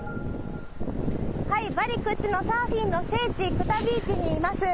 バリ屈指のサーフィンの聖地、クタビーチにいます。